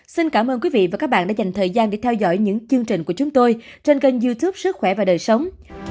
xin cảm ơn quý vị và các bạn đã dành thời gian để theo dõi những chương trình của chúng tôi trên kênh youtube sức khỏe và đời sống